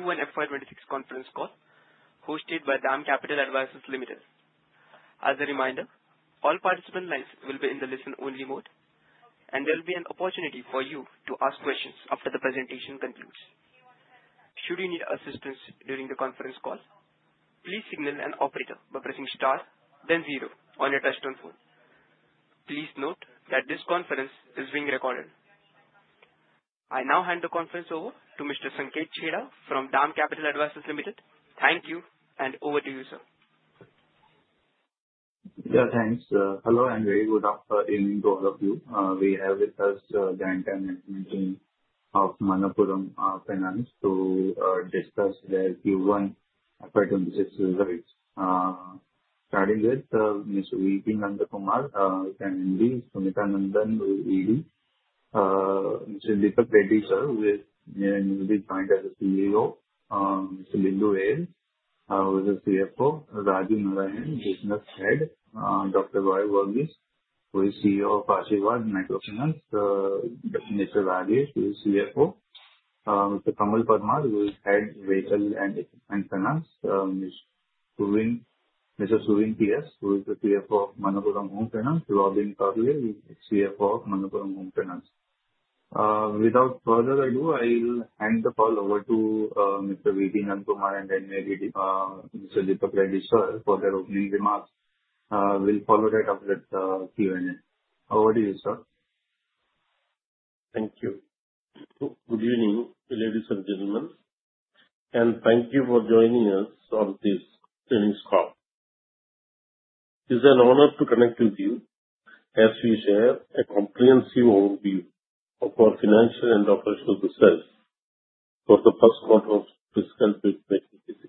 Ladies and gentlemen, good day and welcome to the Manappuram Finance Q1 FY 2026 Conference Call hosted by DAM Capital Advisors Limited. As a reminder, all participant lines will be in the listen-only mode, and there will be an opportunity for you to ask questions after the presentation concludes. Should you need assistance during the conference call, please signal an operator by pressing star, then zero on your touch-tone phone. Please note that this conference is being recorded. I now hand the conference over to Mr. Sanket Chheda from DAM Capital Advisors Limited. Thank you, and over to you, sir. Yeah, thanks. Hello, and very good afternoon to all of you. We have with us the entire management team of Manappuram Finance to discuss their Q1 FY 2026 results, starting with Mr. V. P. Nandakumar, MD and CEO, Sumitha Nandan, ED, Mr. Deepak Reddy, sir, who has newly joined as a CEO, Ms. Bindu A. L., who is a CFO, Raju Narayanan, Business Head, Dr. Roy Varghese, who is CEO of Asirvad Microfinance, Mr. Rajesh, who is CFO, Mr. Kamal Parmar, who is Head of Vehicle and Equipment Finance, Mr. Suveen P. S., who is the CEO of Manappuram Home Finance, Robin Karuvely, who is the CFO of Manappuram Home Finance. Without further ado, I will hand the call over to Mr. V. P. Nandakumar and then maybe Mr. Deepak Reddy, sir, for their opening remarks. We'll follow that up with Q&A. Over to you, sir. Thank you. Good evening, ladies and gentlemen, and thank you for joining us on this earnings call. It's an honor to connect with you as we share a comprehensive overview of our financial and operational results for the first quarter of fiscal 2026.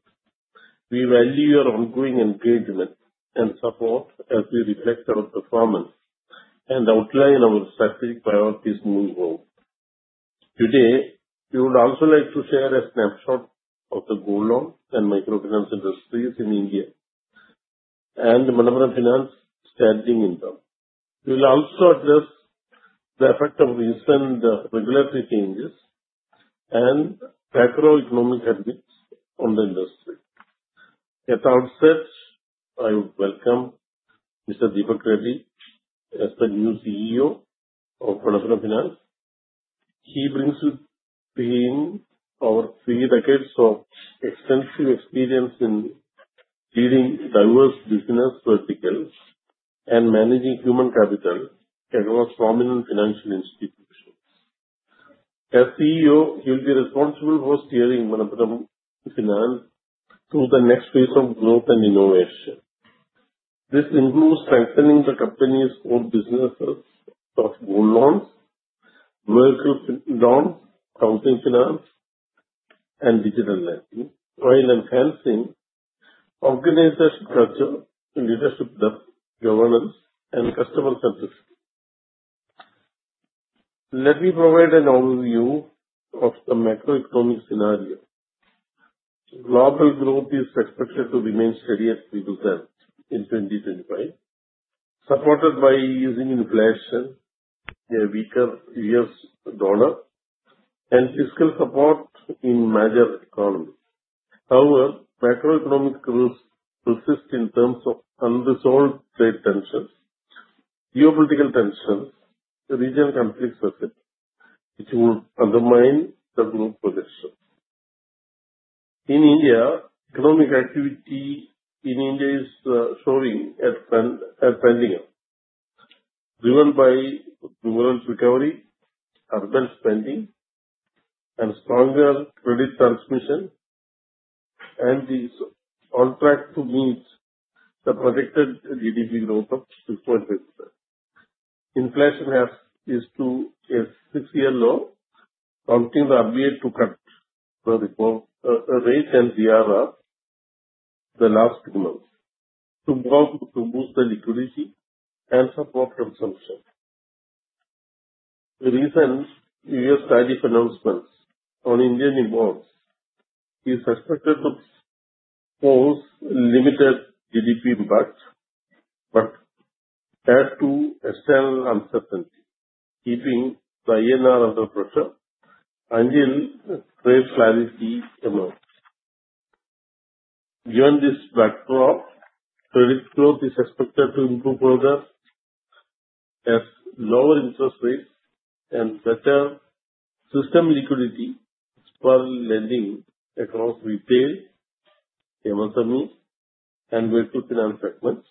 We value your ongoing engagement and support as we reflect our performance and outline our strategic priorities moving forward. Today, we would also like to share a snapshot of the gold loan and microfinance industries in India and Manappuram Finance's standing in them. We will also address the effect of recent regulatory changes and macroeconomic headwinds on the industry. At the outset, I would welcome Mr. Deepak Reddy as the new CEO of Manappuram Finance. He brings with him over three decades of extensive experience in leading diverse business verticals and managing human capital across prominent financial institutions. As CEO, he will be responsible for steering Manappuram Finance through the next phase of growth and innovation. This includes strengthening the company's core businesses of gold loans, vertical loans, housing finance, and digital lending, while enhancing organizational culture, leadership, governance, and customer centricity. Let me provide an overview of the macroeconomic scenario. Global growth is expected to remain steady at 3% in 2025, supported by easing inflation, a weaker U.S. dollar, and fiscal support in major economies. However, macroeconomic risks persists in terms of unresolved trade tensions, geopolitical tensions, and regional conflicts affected, which would undermine the growth projection. In India, economic activity in India is showing at a trending up, driven by government recovery, urban spending, and stronger credit transmission, and is on track to meet the projected GDP growth of 2.5%. Inflation has reached a six-year low, prompting the RBI to cut the repo rate and CRR in the last two months to boost the liquidity and support consumption. The recent U.S. tariff announcements on Indian imports is expected to cause limited GDP impact but add to external uncertainty, keeping the INR under pressure until trade clarity emerges. Given this backdrop, credit growth is expected to improve further as lower interest rates and better system liquidity for lending across retail, MSME, and vehicle finance segments,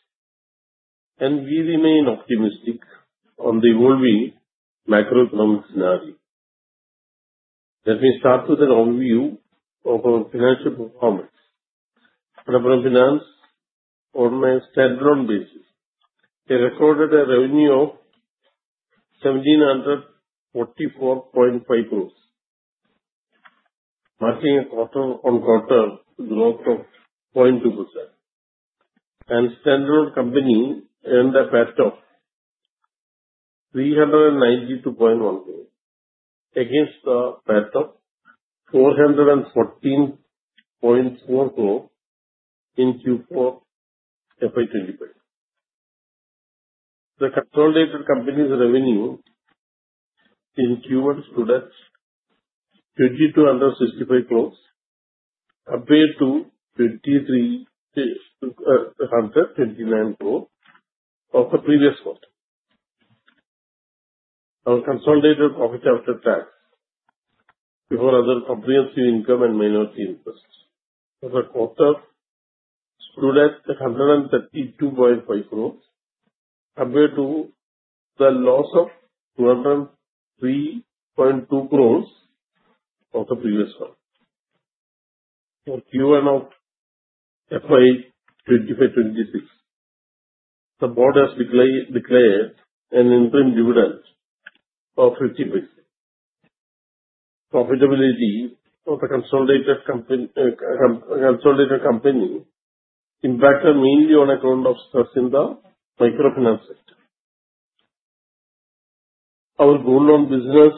and we remain optimistic on the evolving macroeconomic scenario. Let me start with an overview of our financial performance. Manappuram Finance, on a standalone basis, recorded a revenue of 1,744.5 crores, marking a quarter-on-quarter growth of 0.2%, and standalone company earned a PAT of 392.1 crores against a PAT of 414.4 crores in Q4 FY 2025. The consolidated company's revenue in Q1 stood at 2,265 crores, compared to 2,329 crores of the previous quarter. Our consolidated profit after tax before other comprehensive income and minority interest for the quarter stood at 132.5 crores, compared to the loss of 203.2 crores of the previous quarter. For Q1 of FY 2025-2026, the board has declared an interim dividend of 50%. Profitability of the consolidated company impacted mainly on account of stress in the microfinance sector. Our gold loan business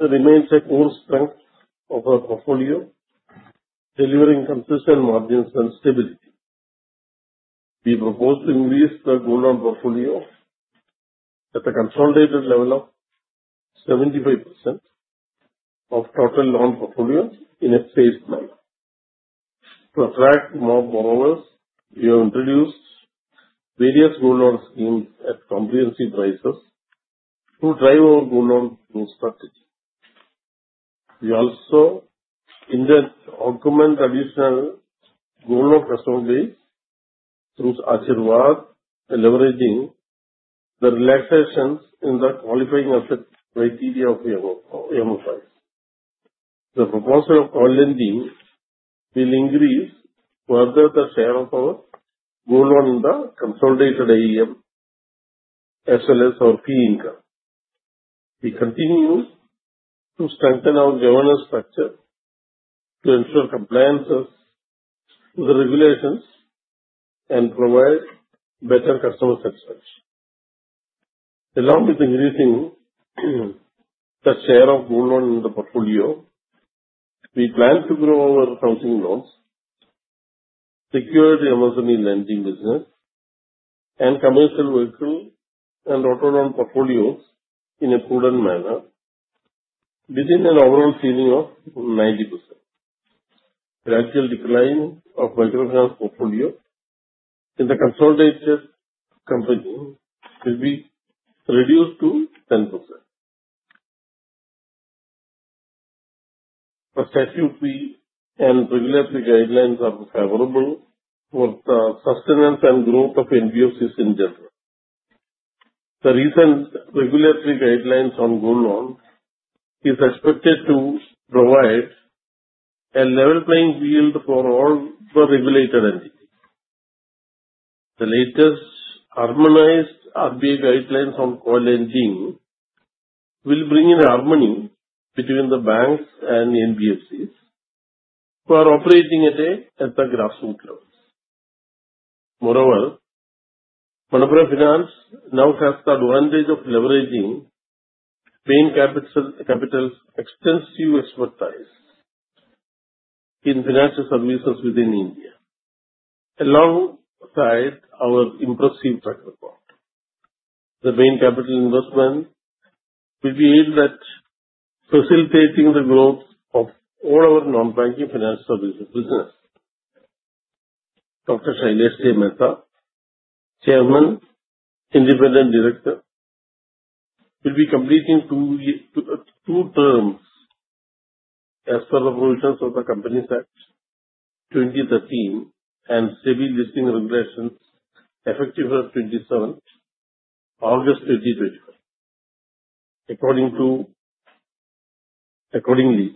remains a core strength of our portfolio, delivering consistent margins and stability. We propose to increase the gold loan portfolio at a consolidated level of 75% of total loan portfolios in a phased manner. To attract more borrowers, we have introduced various gold loan schemes at comprehensive prices to drive our gold loan growth strategy. We also augment additional gold loan customer base through Asirvad, leveraging the relaxations in the qualifying criteria of MFIs. The proposal of co-lending will increase further the share of our gold loan in the consolidated AUM as well as our fee income. We continue to strengthen our governance structure to ensure compliance with the regulations and provide better customer satisfaction. Along with increasing the share of gold loan in the portfolio, we plan to grow our housing loans, secure the MSME lending business, and commercial vehicle and auto loan portfolios in a prudent manner within an overall ceiling of 90%. Gradual decline of microfinance portfolio in the consolidated company will be reduced to 10%. Prospective fee and regulatory guidelines are favorable for the sustenance and growth of NBFCs in general. The recent regulatory guidelines on gold loans is expected to provide a level playing field for all the regulated entities. The latest harmonized RBI guidelines on co-lending will bring in harmony between the banks and NBFCs who are operating at the grassroots levels. Moreover, Manappuram Finance now has the advantage of leveraging Bain Capital's extensive expertise in financial services within India, alongside our impressive track record. The Bain Capital investment will be aimed at facilitating the growth of all our non-banking financial services business. Dr. Shailesh J. Mehta, Chairman and Independent Director, will be completing two terms as per the provisions of the Companies Act, 2013 and SEBI Listing Regulations effective from 27 August 2025. Accordingly,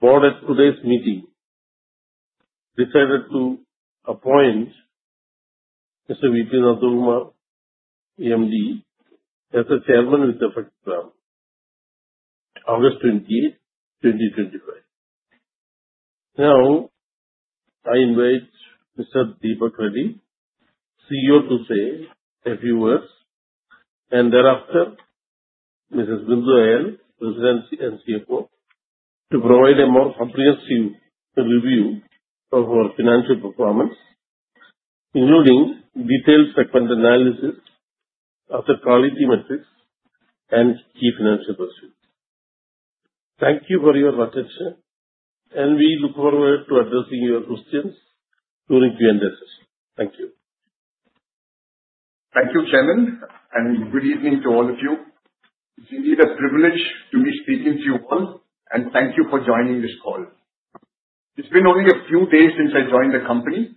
the board at today's meeting decided to appoint Mr. V. P. Nandakumar, MD, as the Chairman with effect from August 28, 2025. Now, I invite Mr. Deepak Reddy, CEO, to say a few words, and thereafter, Mrs. Bindu A. L., President and CFO, to provide a more comprehensive review of our financial performance, including detailed segment analysis of the quality metrics and key financial pursuits. Thank you for your attention, and we look forward to addressing your questions during Q&A session. Thank you. Thank you, Chairman, and good evening to all of you. It's indeed a privilege to be speaking to you all, and thank you for joining this call. It's been only a few days since I joined the company,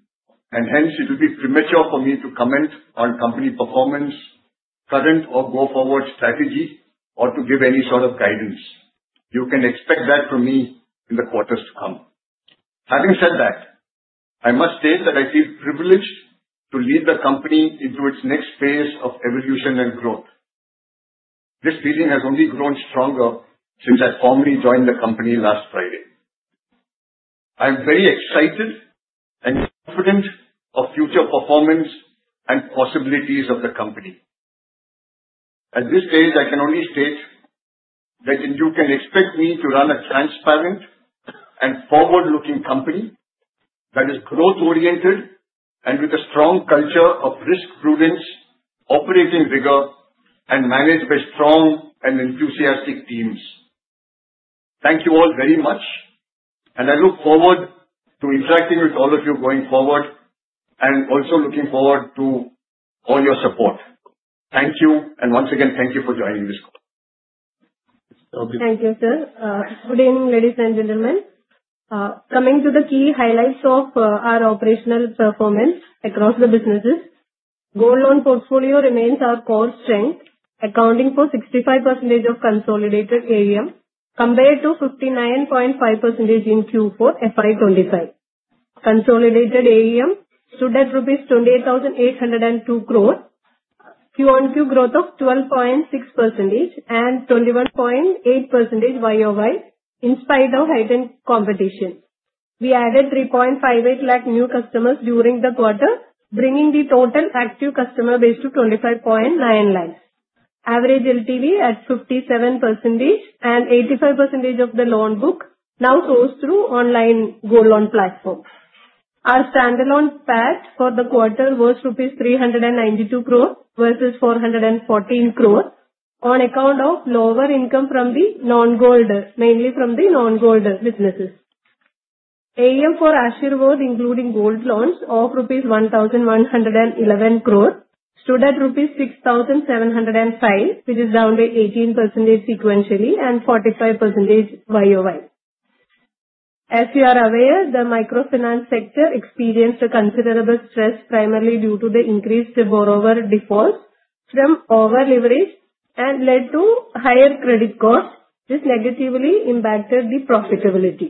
and hence it will be premature for me to comment on company performance, current or go-forward strategy, or to give any sort of guidance. You can expect that from me in the quarters to come. Having said that, I must state that I feel privileged to lead the company into its next phase of evolution and growth. This feeling has only grown stronger since I formally joined the company last Friday. I'm very excited and confident of future performance and possibilities of the company. At this stage, I can only state that you can expect me to run a transparent and forward-looking company that is growth-oriented and with a strong culture of risk prudence, operating rigor, and managed by strong and enthusiastic teams. Thank you all very much, and I look forward to interacting with all of you going forward and also looking forward to all your support. Thank you, and once again, thank you for joining this call. Thank you, sir. Good evening, ladies and gentlemen. Coming to the key highlights of our operational performance across the businesses, gold loan portfolio remains our core strength, accounting for 65% of consolidated AUM compared to 59.5% in Q4 FY 2025. Consolidated AUM stood at rupees 28,802 crores, QoQ growth of 12.6% and 21.8% YoY in spite of heightened competition. We added 3.58 lakh new customers during the quarter, bringing the total active customer base to 25.9 lakhs. Average LTV at 57% and 85% of the loan book now goes through online gold loan platforms. Our standalone PAT for the quarter was rupees 392 crores versus 414 crores on account of lower income from the non-gold, mainly from the non-gold businesses. AUM for Asirvad, including gold loans, of rupees 1,111 crores, stood at rupees 6,705, which is down by 18% sequentially and 45% YoY. As you are aware, the microfinance sector experienced a considerable stress, primarily due to the increased borrower defaults from over-leveraged and led to higher credit costs, which negatively impacted the profitability.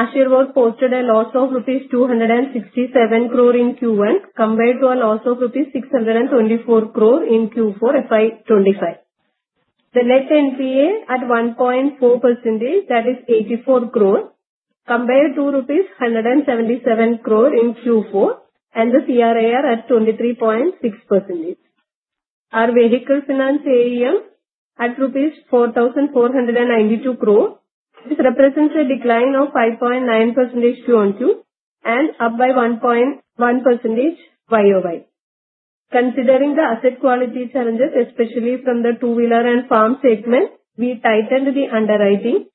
Asirvad posted a loss of rupees 267 crores in Q1 compared to a loss of rupees 624 crores in Q4 FY 2025. The net NPA at 1.4%, that is 84 crores, compared to rupees 177 crores in Q4 and the CRAR at 23.6%. Our vehicle finance AUM at rupees 4,492 crores, which represents a decline of 5.9% QoQ and up by 1.1% YoY. Considering the asset quality challenges, especially from the two-wheeler and farm segment, we tightened the underwriting.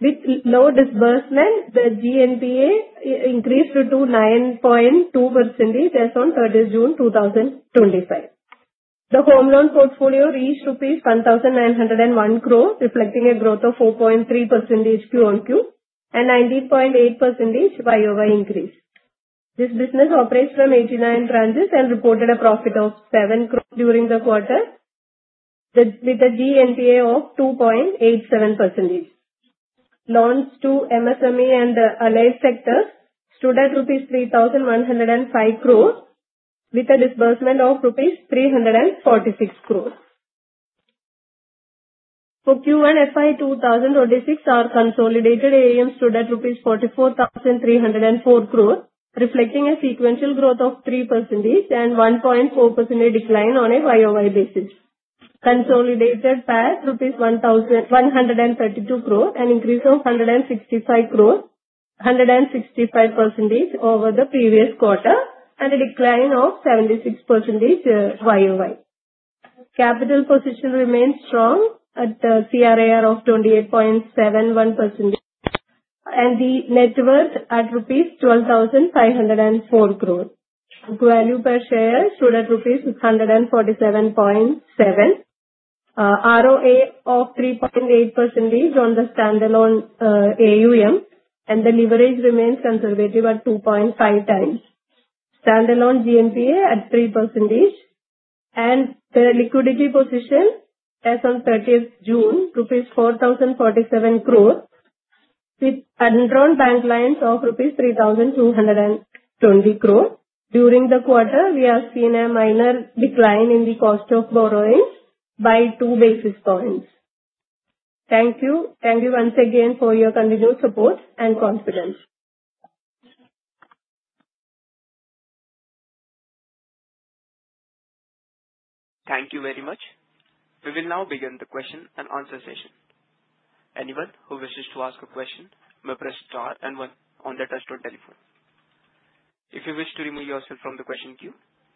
With low disbursement, the GNPA increased to 9.2% as on 30 June 2025. The home loan portfolio reached 1,901 crores rupees, reflecting a growth of 4.3% QoQ and 19.8% YoY increase. This business operates from 89 branches and reported a profit of 7 crores during the quarter with a GNPA of 2.87%. Loans to MSME and allied sectors stood at rupees 3,105 crores, with a disbursement of rupees 346 crores. For Q1 FY 2026, our consolidated AUM stood at rupees 44,304 crores, reflecting a sequential growth of 3% and 1.4% decline on a YoY basis. Consolidated PAT rupees 1,132 crores, an increase of 165% over the previous quarter, and a decline of 76% YoY. Capital position remains strong at CRAR of 28.71% and the net worth at rupees 12,504 crores. Book value per share stood at rupees 147.7, ROA of 3.8% on the standalone AUM, and the leverage remains conservative at 2.5x. Standalone GNPA at 3%, and the liquidity position as on 30 June rupees 4,047 crores, with underwriting bank lines of rupees 3,220 crores. During the quarter, we have seen a minor decline in the cost of borrowing by 2 basis points. Thank you. Thank you once again for your continued support and confidence. Thank you very much. We will now begin the question and answer session. Anyone who wishes to ask a question may press star and one on the touch-tone telephone. If you wish to remove yourself from the question queue,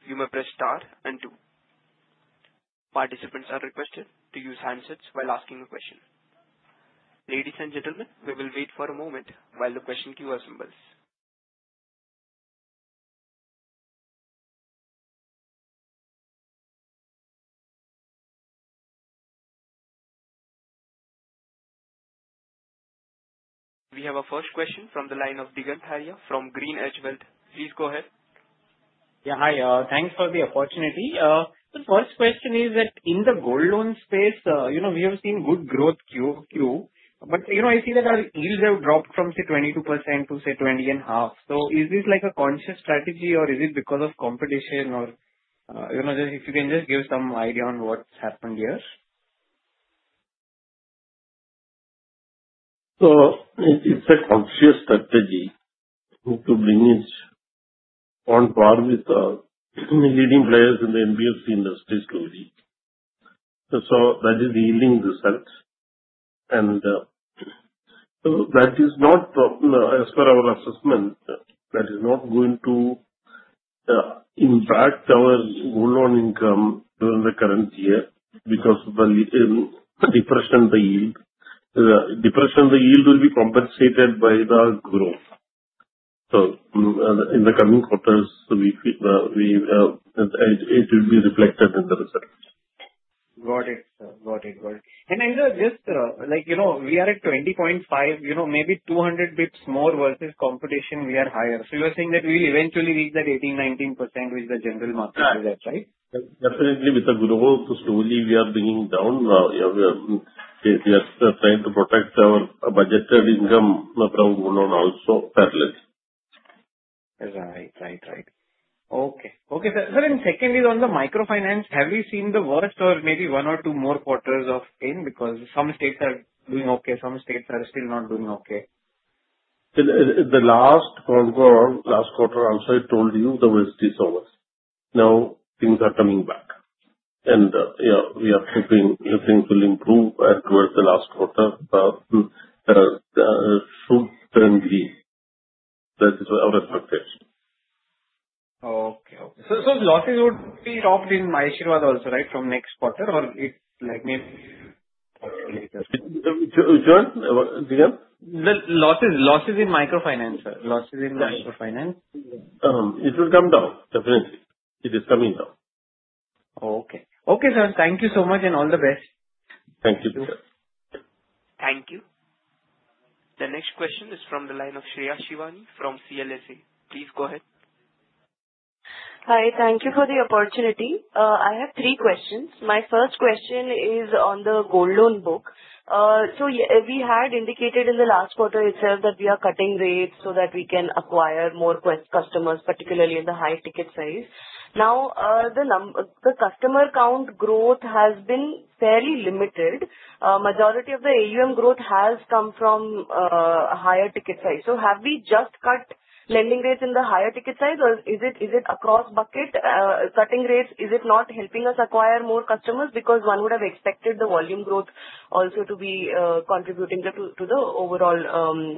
you may press star and two. Participants are requested to use handsets while asking a question. Ladies and gentlemen, we will wait for a moment while the question queue assembles. We have a first question from the line of Digant Haria from GreenEdge Wealth. Please go ahead. Yeah, hi. Thanks for the opportunity. The first question is that in the gold loan space, we have seen good growth Q2, but I see that our yields have dropped from, say, 22%-20.5%. So is this like a conscious strategy, or is it because of competition, or if you can just give some idea on what's happened here? So it's a conscious strategy to bring it on par with the leading players in the NBFC industry slowly. So that is yielding results. And so that is not, as per our assessment, that is not going to impact our gold loan income during the current year because of the depression in the yield. The depression in the yield will be compensated by the growth. So in the coming quarters, it will be reflected in the results. Got it, sir. Got it, got it. And I know just we are at 20.5%, maybe 200 basis points more versus competition, we are higher. So you are saying that we will eventually reach that 18%-19% with the general market, is that right? Definitely, with the growth slowly we are bringing down. We are trying to protect our budgeted income from gold loan also fairly. Right. Okay, sir. And secondly, on the microfinance, have we seen the worst or maybe one or two more quarters of pain? Because some states are doing okay, some states are still not doing okay. The last quarter, also I told you the worst is over. Now things are coming back. And we are hoping things will improve towards the last quarter. Should turn green. That is our expectation. Okay, okay. Losses would be stopped in Asirvad also, right, from next quarter, or maybe later. Join? Again? The losses in microfinance, sir. Losses in microfinance. It will come down, definitely. It is coming down. Okay. Okay, sir. Thank you so much and all the best. Thank you, sir. Thank you. The next question is from the line of Shreya Shivani from CLSA. Please go ahead. Hi. Thank you for the opportunity. I have three questions. My first question is on the gold loan book. So we had indicated in the last quarter itself that we are cutting rates so that we can acquire more customers, particularly in the high ticket size. Now, the customer count growth has been fairly limited. Majority of the AUM growth has come from higher ticket size. So have we just cut lending rates in the higher ticket size, or is it across bucket cutting rates? Is it not helping us acquire more customers? Because one would have expected the volume growth also to be contributing to the overall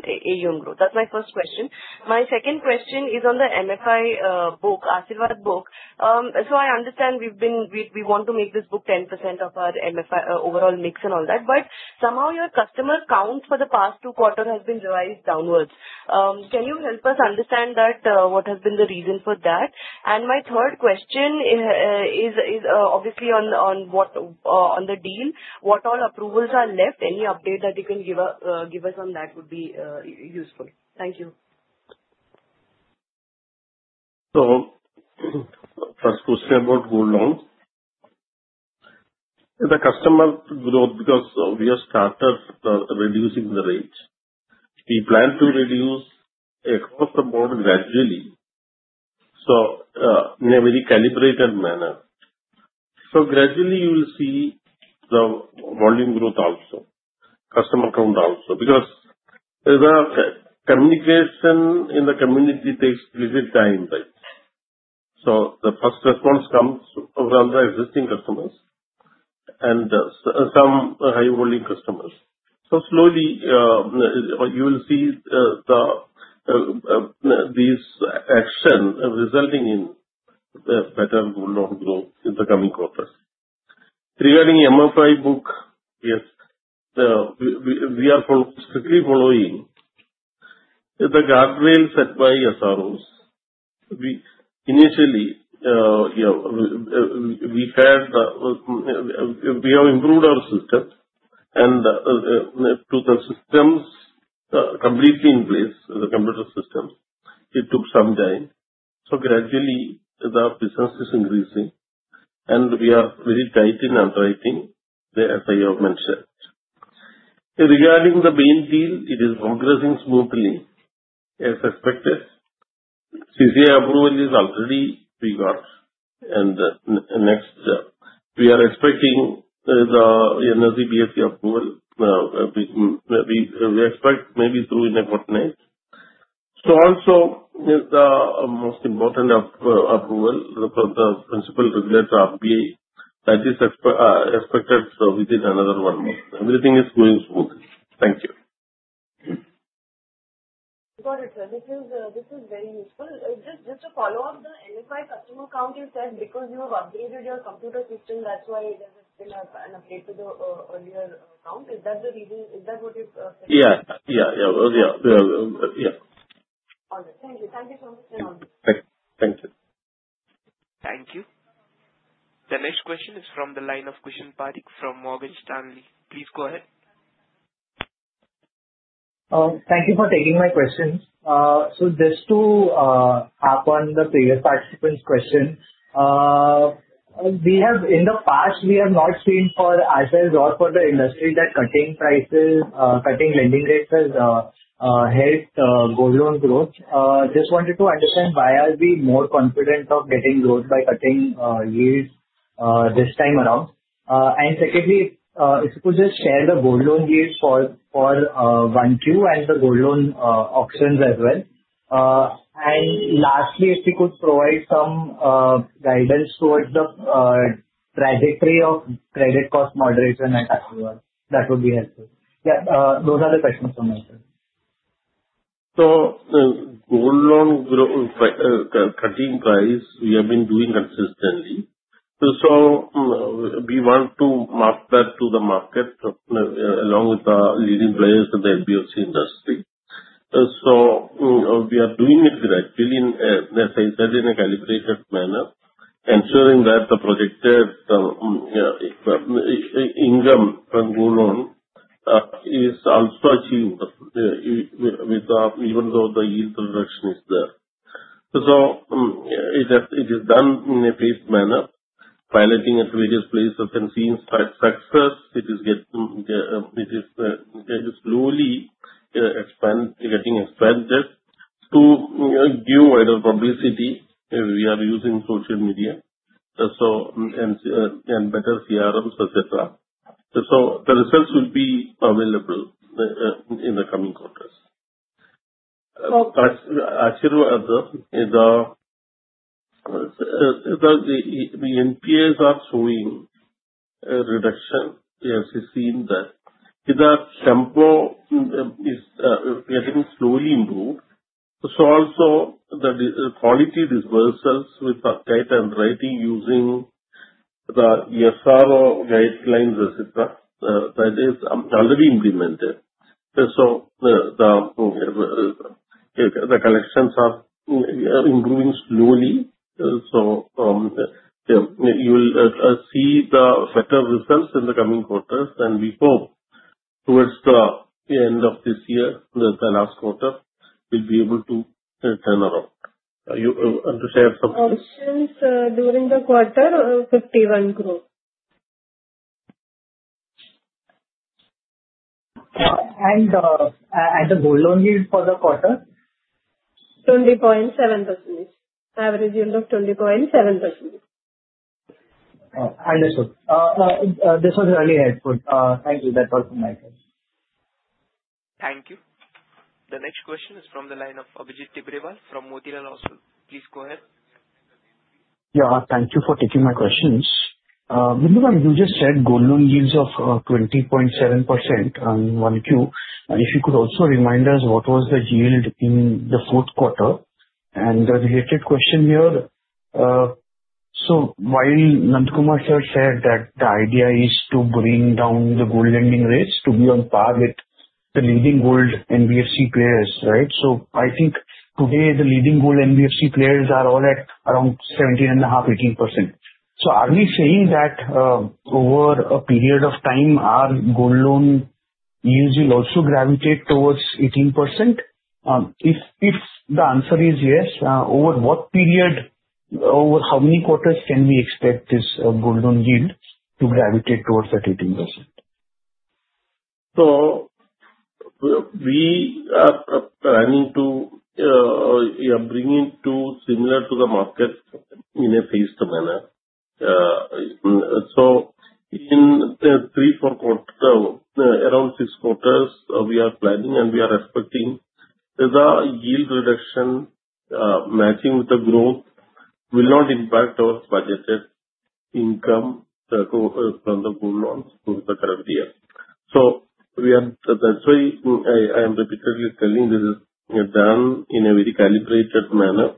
AUM growth. That's my first question. My second question is on the MFI book, Asirvad book. So I understand we want to make this book 10% of our overall mix and all that, but somehow your customer count for the past two quarters has been revised downwards. Can you help us understand what has been the reason for that? And my third question is obviously on the deal, what all approvals are left? Any update that you can give us on that would be useful. Thank you. So first question about gold loan. The customer growth, because we are started reducing the rate, we plan to reduce across the board gradually, so in a very calibrated manner. So gradually you will see the volume growth also, customer count also. Because the communication in the community takes a little time, right? So the first response comes from the existing customers and some high-volume customers. So slowly you will see these actions resulting in better gold loan growth in the coming quarters. Regarding MFI book, yes, we are strictly following the guardrails set by SROs. Initially, we have improved our system, and to the systems completely in place, the computer systems, it took some time. So gradually the business is increasing, and we are very tight in underwriting the SRO mentioned. Regarding the main deal, it is progressing smoothly as expected. CCI approval is already we got, and next we are expecting the NSE/BSE approval. We expect maybe through in a fortnight. So also the most important approval, the principal regulator, RBI, that is expected within another one month. Everything is going smoothly. Thank you. Got it, sir. This is very useful. Just to follow up, the MFI customer count you said because you have upgraded your computer system, that's why it has been an update to the earlier count. Is that the reason? Is that what you said? Yeah, yeah, yeah. Yeah. All right. Thank you. Thank you so much for your answers. Thank you. Thank you. The next question is from the line of Kushan Parikh from Morgan Stanley. Please go ahead. Thank you for taking my question. So just to hop on the previous participant's question, in the past, we have not seen for assets or for the industry that cutting prices, cutting lending rates has helped gold loan growth. Just wanted to understand why are we more confident of getting growth by cutting yields this time around. And secondly, if you could just share the gold loan yields for 1Q and the gold loan auctions as well. And lastly, if you could provide some guidance towards the trajectory of credit cost moderation at Asirvad, that would be helpful. Yeah, those are the questions for myself. So the gold loan cutting price, we have been doing consistently. We want to map that to the market along with the leading players in the NBFC industry. We are doing it gradually, as I said, in a calibrated manner, ensuring that the projected income from gold loan is also achieved even though the yield reduction is there. It is done in a phased manner, piloting at various places. I've seen success. It is slowly getting expanded. To give wider publicity, we are using social media and better CRMs, et cetera. The results will be available in the coming quarters. Asirvad, the NPAs are showing reduction. We have seen that. The tempo is getting slowly improved. Also the quality disbursals with tight underwriting using the SRO guidelines, et cetera, that is already implemented. The collections are improving slowly. So you will see the better results in the coming quarters than we hope. Towards the end of this year, the last quarter, we'll be able to turn around. To share some. Questions during the quarter? Q1 group. The gold loan yield for the quarter? 20.7%. Average yield of 20.7%. Understood. This was really helpful. Thank you. That was my question. Thank you. The next question is from the line of Abhijit Tibrewal from Motilal Oswal. Please go ahead. Yeah, thank you for taking my questions. Manappuram, you just said gold loan yields of 20.7% in 1Q. If you could also remind us what was the yield in the fourth quarter. And the related question here, so while Nandakumar sir said that the idea is to bring down the gold lending rates to be on par with the leading gold NBFC players, right? So I think today the leading gold NBFC players are all at around 17.5%-18%. So are we saying that over a period of time, our gold loan yields will also gravitate towards 18%? If the answer is yes, over what period, over how many quarters can we expect this gold loan yield to gravitate towards that 18%? So we are planning to bring it to similar to the market in a phased manner. So in three, four quarters, around six quarters, we are planning and we are expecting the yield reduction matching with the growth will not impact our budgeted income from the gold loans over the current year. So that's why I am repeatedly telling this is done in a very calibrated manner.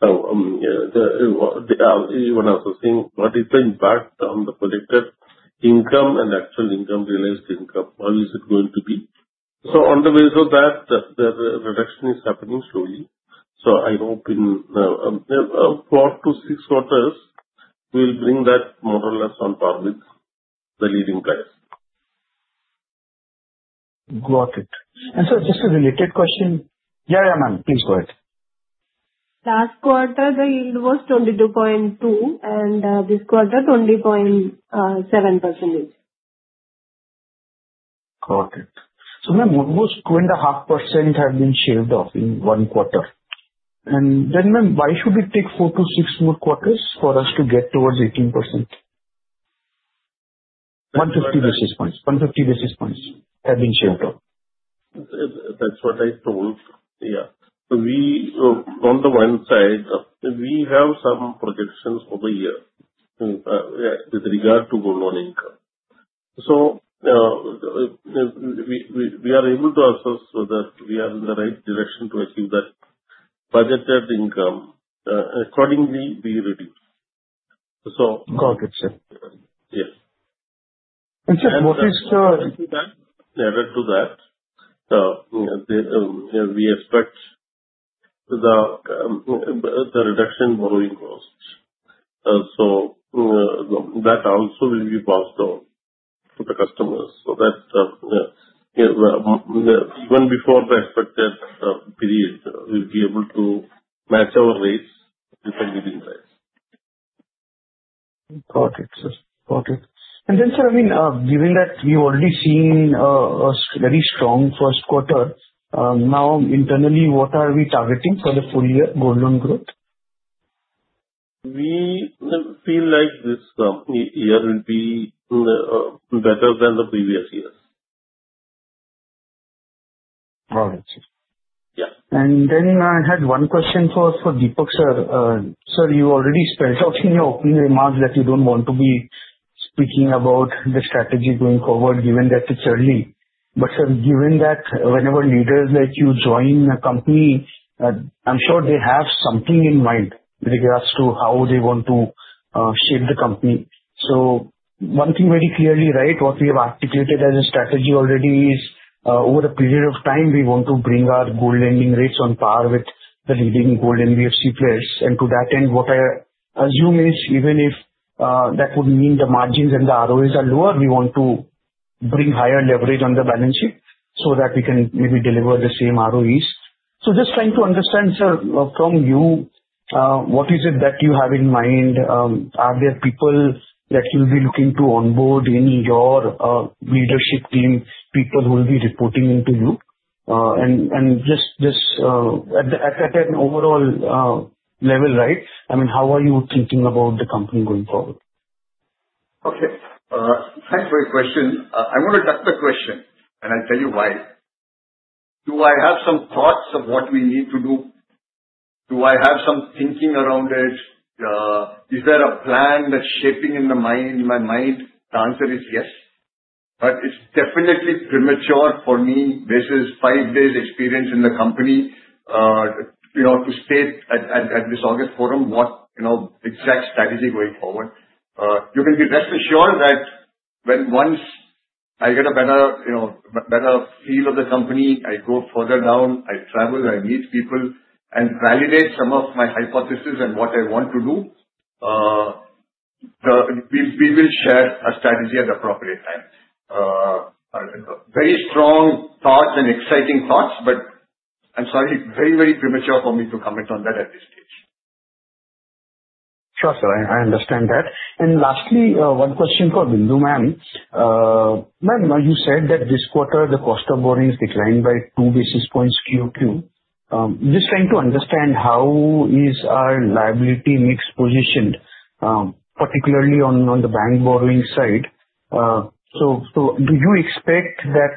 When I was saying what is the impact on the projected income and actual income, realized income, how is it going to be? So on the basis of that, the reduction is happening slowly. So I hope in four to six quarters, we'll bring that more or less on par with the leading players. Got it. And sir, just a related question. Yeah, yeah, ma'am. Please go ahead. Last quarter, the yield was 22.2%, and this quarter, 20.7%. Got it. So ma'am, almost 2.5% have been shaved off in one quarter. And then ma'am, why should it take four to six more quarters for us to get towards 18%? 150 basis points. 150 basis points have been shaved off. That's what I told. Yeah. On the one side, we have some projections for the year with regard to gold loan income. So we are able to assess whether we are in the right direction to achieve that budgeted income. Accordingly, we reduce. Got it, sir. Yes. Sir, what is the? In addition to that, we expect the reduction in borrowing costs. So that also will be passed on to the customers so that even before the expected period, we'll be able to match our rates with the leading players. Got it, sir. Got it. And then, sir, I mean, given that we've already seen a very strong first quarter, now internally, what are we targeting for the full year gold loan growth? We feel like this year will be better than the previous year. Got it, sir. Yeah. Then I had one question for Deepak sir. Sir, you already spelled out in your opening remarks that you don't want to be speaking about the strategy going forward, given that it's early. But sir, given that whenever leaders like you join a company, I'm sure they have something in mind with regards to how they want to shape the company. One thing very clearly, right, what we have articulated as a strategy already is over a period of time, we want to bring our gold lending rates on par with the leading gold NBFC players. And to that end, what I assume is even if that would mean the margins and the ROEs are lower, we want to bring higher leverage on the balance sheet so that we can maybe deliver the same ROEs. So just trying to understand, sir, from you, what is it that you have in mind? Are there people that you'll be looking to onboard in your leadership team, people who will be reporting into you? And just at an overall level, right, I mean, how are you thinking about the company going forward? Okay. Thanks for your question. I want to duck the question, and I'll tell you why. Do I have some thoughts of what we need to do? Do I have some thinking around it? Is there a plan that's shaping in my mind? The answer is yes. But it's definitely premature for me, this is five days experience in the company, to state at this August forum what exact strategy going forward. You can be rest assured that when once I get a better feel of the company, I go further down, I travel, I meet people, and validate some of my hypotheses and what I want to do, we will share a strategy at the appropriate time. Very strong thoughts and exciting thoughts, but I'm sorry, very, very premature for me to comment on that at this stage. Sure, sir. I understand that. And lastly, one question for Bindu ma'am. Ma'am, you said that this quarter, the cost of borrowing has declined by two basis points QoQ. Just trying to understand how is our liability mix positioned, particularly on the bank borrowing side. So do you expect that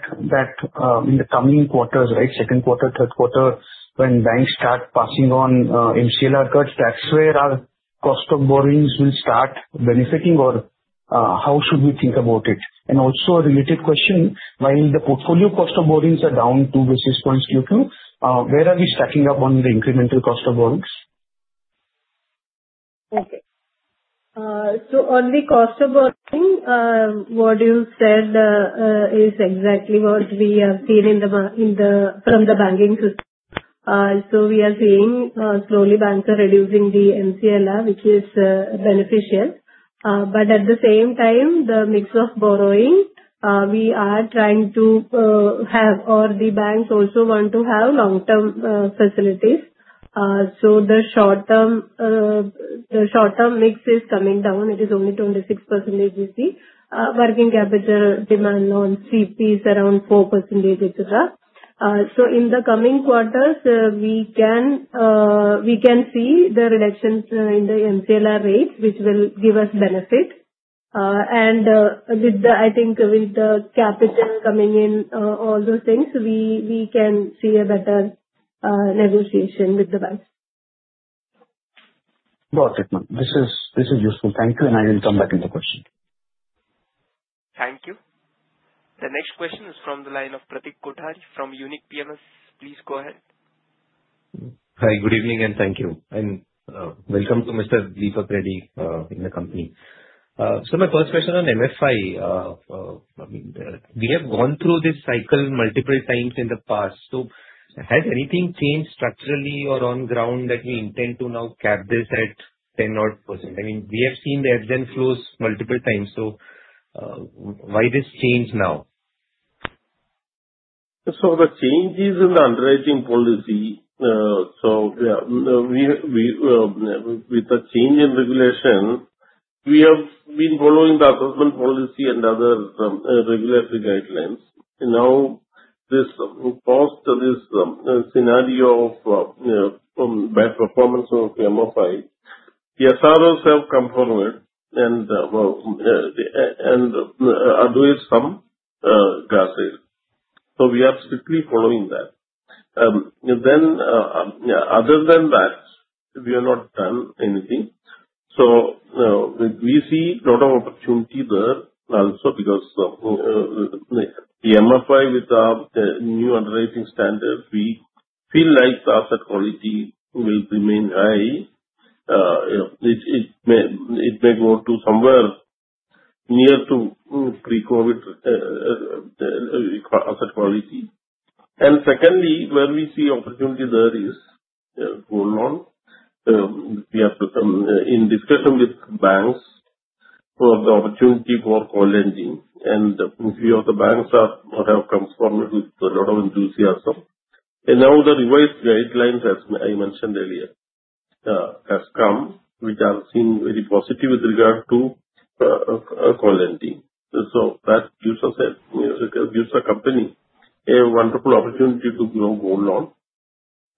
in the coming quarters, right, second quarter, third quarter, when banks start passing on MCLR cuts, that's where our cost of borrowings will start benefiting, or how should we think about it? And also a related question, while the portfolio cost of borrowings are down two basis points QoQ, where are we stacking up on the incremental cost of borrowings? Okay. So on the cost of borrowing, what you said is exactly what we have seen from the banking system. So we are seeing slowly banks are reducing the MCLR, which is beneficial. But at the same time, the mix of borrowing, we are trying to have, or the banks also want to have long-term facilities. So the short-term mix is coming down. It is only 26% you see, working capital demand on CPs around 4%, et cetera. So in the coming quarters, we can see the reductions in the MCLR rates, which will give us benefit. And I think with the capital coming in, all those things, we can see a better negotiation with the banks. Got it, ma'am. This is useful. Thank you, and I will come back to the question. Thank you. The next question is from the line of Pratik Kothari from Unique PMS. Please go ahead. Hi, good evening, and thank you. And welcome to Mr. Deepak Reddy in the company. So my first question on MFI. I mean, we have gone through this cycle multiple times in the past. So has anything changed structurally or on ground that we intend to now cap this at 10%? I mean, we have seen the ebbs and flows multiple times. So why this change now? So the change is in the underwriting policy. So with the change in regulation, we have been following the assessment policy and other regulatory guidelines. Now, this post-scenario of bad performance of MFI, the SROs have come forward and advised some guardrails. So we are strictly following that. Then other than that, we are not done anything. So we see a lot of opportunity there also because the MFI with the new underwriting standard, we feel like the asset quality will remain high. It may go to somewhere near to pre-COVID asset quality. And secondly, where we see opportunity there is gold loan. We are in discussion with banks for the opportunity for co-lending. And a few of the banks have come forward with a lot of enthusiasm. And now the revised guidelines, as I mentioned earlier, have come, which are seen very positive with regard to co-lending. So that gives the company a wonderful opportunity to grow gold loan.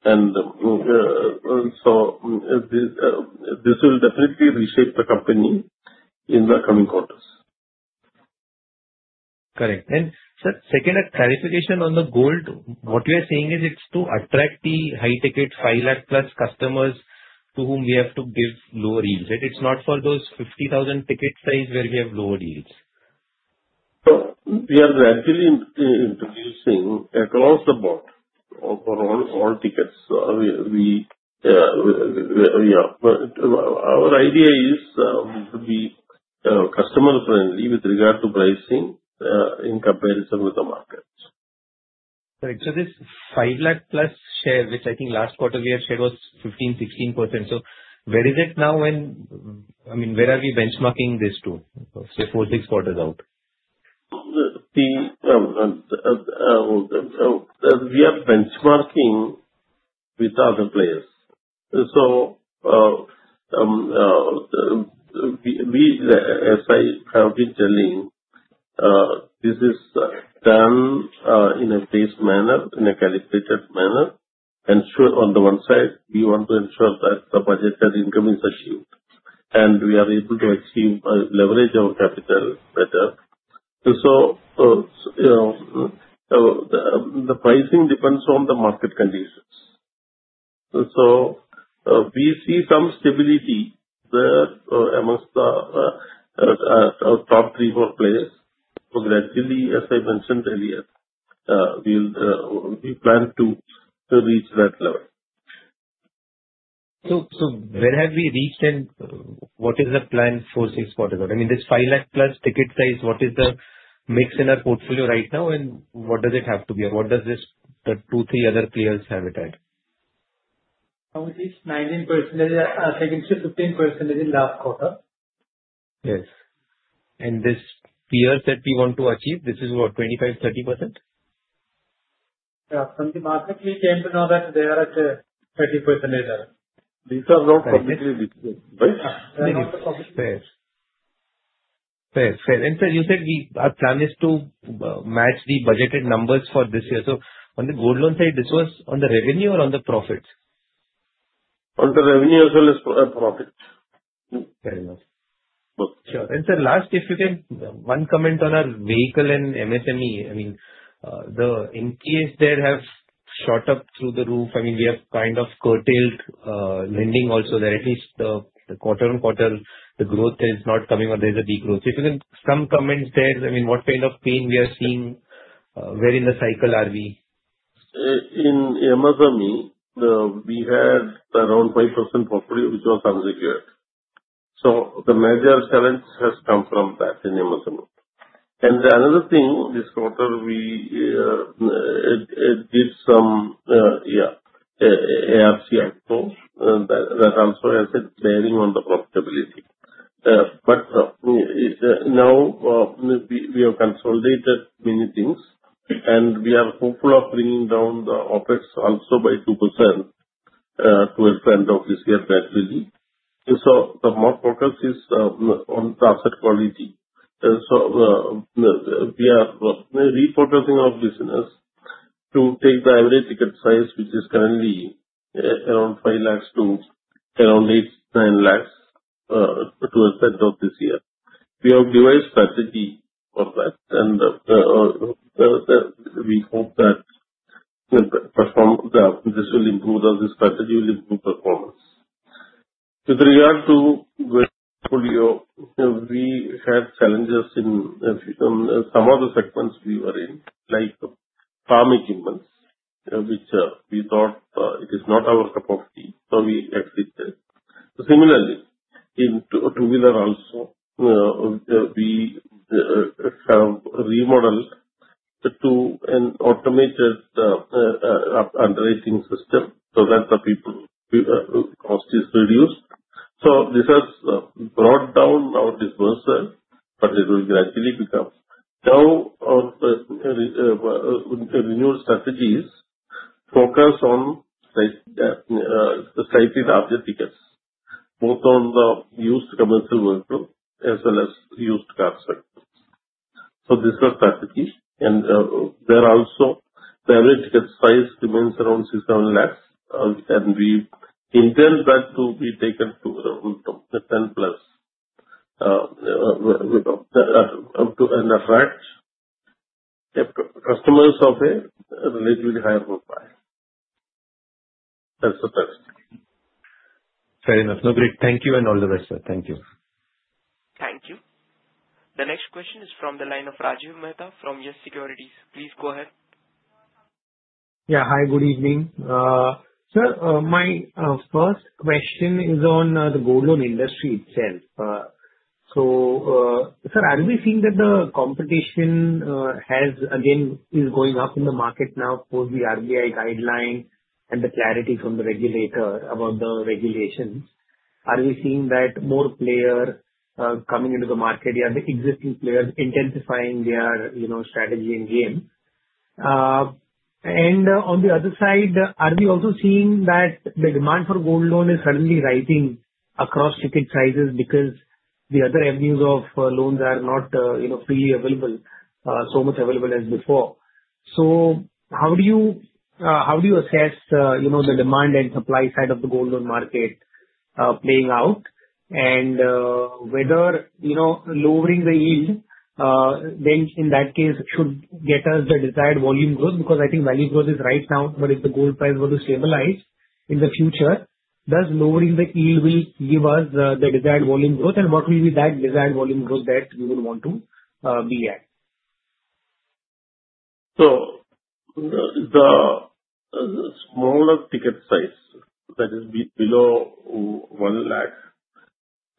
And so this will definitely reshape the company in the coming quarters. Correct. And, sir, second clarification on the gold, what you are saying is it's to attract the high-ticket 5 lakh plus customers to whom we have to give lower yields, right? It's not for those 50,000 ticket size where we have lower yields. So we are gradually introducing across the board for all tickets. Our idea is to be customer-friendly with regard to pricing in comparison with the market. Correct. So this five lakh plus share, which I think last quarter we had shared was 15%-16%. So where is it now? I mean, where are we benchmarking this to? Say four-six quarters out. We are benchmarking with other players. So as I have been telling, this is done in a phased manner, in a calibrated manner. And on the one side, we want to ensure that the budgeted income is achieved and we are able to achieve leverage our capital better. So the pricing depends on the market conditions. So we see some stability there amongst the top three, four players. So gradually, as I mentioned earlier, we plan to reach that level. So, where have we reached and what is the plan four, six quarters out? I mean, this 5 lakh plus ticket size, what is the mix in our portfolio right now? And what does it have to be? What does the two, three other players have it at? It's 19%, I think it's 15% in the last quarter. Yes. And this peers that we want to achieve, this is what, 25%, 30%? From the market, we came to know that they are at 30%. Basically, basically. Fair. Fair. And sir, you said our plan is to match the budgeted numbers for this year. So on the gold loan side, this was on the revenue or on the profit? On the revenue as well as profit. Fair enough. Sure. And sir, last, if you can, one comment on our vehicle and MSME. I mean, in case there have shot up through the roof, I mean, we have kind of curtailed lending also there. At least quarter on quarter, the growth is not coming or there's a degrowth. If you can, some comments there, I mean, what kind of pain we are seeing, where in the cycle are we? In MSME, we had around 5% property which was unsecured, so the major challenge has come from that in MSME, and another thing, this quarter, it gives some ARC outflows that also has a bearing on the profitability, but now we have consolidated many things, and we are hopeful of bringing down the OPEX also by 2% towards the end of this year gradually, so the more focus is on the asset quality, so we are refocusing our business to take the average ticket size, which is currently around 5 lakhs to around 8 lakhs-9 lakhs towards the end of this year. We have devised strategy for that, and we hope that this will improve. Our strategy will improve performance. With regard to portfolio, we had challenges in some of the segments we were in, like farm equipment, which we thought it is not our cup of tea. We exited. Similarly, in two-wheeler also, we have remodeled to an automated underwriting system. That reduces the people cost. This has brought down our disbursal, but it will gradually become. Now, renewal strategies focus on secured asset tickets, both on the used commercial vehicle as well as used car segments. This is our strategy. There also, the average ticket size remains around 6 lakhs-7 lakhs, and we intend that to be taken to 10+ and attract customers of a relatively higher profile. That's the strategy. Fair enough. No, great. Thank you and all the best, sir. Thank you. Thank you. The next question is from the line of Rajiv Mehta from YES SECURITIES. Please go ahead. Yeah. Hi, good evening. Sir, my first question is on the gold loan industry itself. So sir, are we seeing that the competition has again is going up in the market now post the RBI guideline and the clarity from the regulator about the regulations? Are we seeing that more players coming into the market, the existing players intensifying their strategy and game? And on the other side, are we also seeing that the demand for gold loan is suddenly rising across ticket sizes because the other avenues of loans are not freely available, so much available as before? So how do you assess the demand and supply side of the gold loan market playing out and whether lowering the yield, then in that case, should get us the desired volume growth? Because I think volume growth is right now, but if the gold price were to stabilize in the future, does lowering the yield will give us the desired volume growth? And what will be that desired volume growth that we would want to be at? So the smaller ticket size that is below 1 lakh,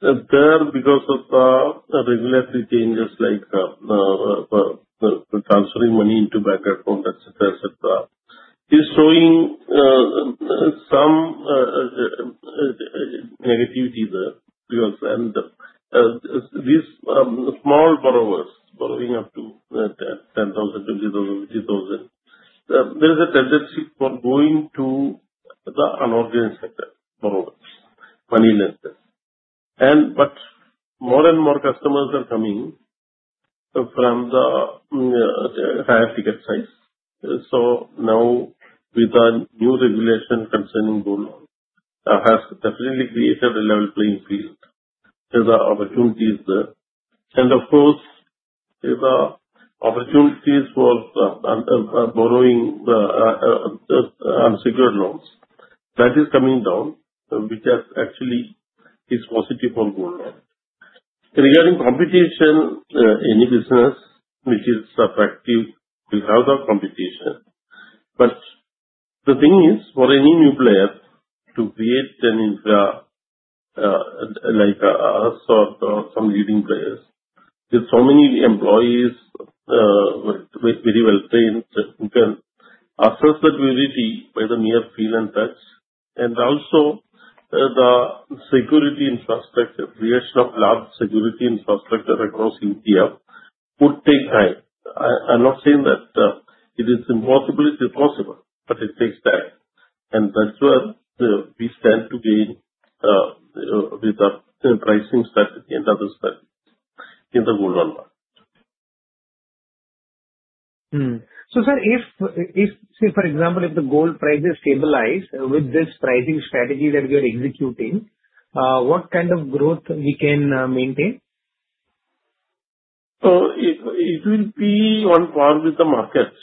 there because of the regulatory changes like transferring money into bank account, et cetera, et cetera, is showing some negativity there because and these small borrowers, borrowing up to 10,000, 20,000, 50,000, there is a tendency for going to the unorganized sector borrowers, money lenders. But more and more customers are coming from the higher ticket size. So now, with the new regulation concerning gold loan, has definitely created a level playing field with the opportunities there. And of course, the opportunities for borrowing unsecured loans, that is coming down, which actually is positive for gold loan. Regarding competition, any business which is attractive will have the competition. But the thing is, for any new player to create an infra like us or some leading players, with so many employees, very well trained, who can assess that variety by mere feel and touch. And also, the security infrastructure, creation of large security infrastructure across India would take time. I'm not saying that it is impossible. It is possible, but it takes time. And that's where we stand to gain with the pricing strategy and other strategies in the gold loan. Sir, if, say, for example, if the gold price is stabilized with this pricing strategy that we are executing, what kind of growth we can maintain? So it will be on par with the markets,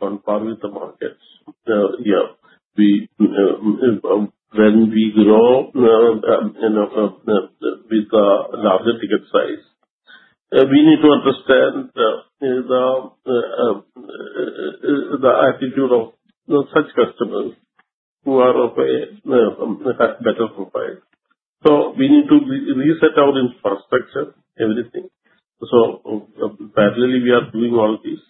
on par with the markets. Yeah. When we grow with the larger ticket size, we need to understand the attitude of such customers who are of a better profile. So we need to reset our infrastructure, everything. So parallelly, we are doing all these.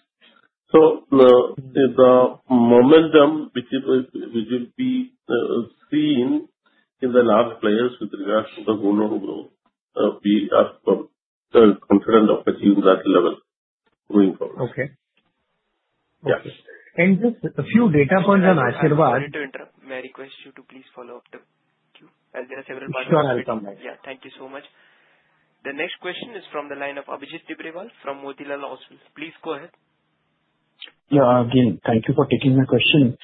So the momentum which will be seen in the large players with regards to the gold loan growth, we are confident of achieving that level going forward. Okay. Got it, and just a few data points on Asirvad. Sorry to interrupt. May I request you to please follow up the queue? There are several questions. Sure. I'll come back. Yeah. Thank you so much. The next question is from the line of Abhijit Tibrewal from Motilal Oswal. Please go ahead. Yeah. Again, thank you for taking my question.